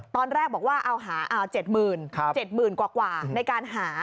ตอนแรกบอกว่าเอาหา๗๗๐๐๐กว่าในการหา